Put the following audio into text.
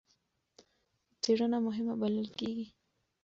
څېړنه مهمه بلل کېږي.